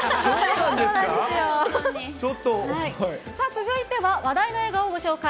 続いては話題の映画をご紹介。